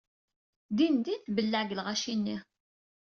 Dindin tebleɛ deg lɣaci-nni.